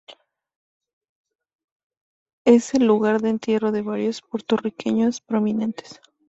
Es el lugar de entierro de varios puertorriqueños prominentes.